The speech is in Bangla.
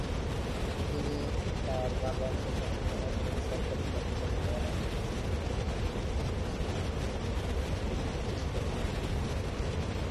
তিনি তার বাবার প্রশাসনে একজন সরকারী কর্মচারী হওয়ার আগেও রাষ্ট্রপতির অভ্যন্তরীণ চক্রের অংশ হিসেবে তিনি বিবেচিত হন।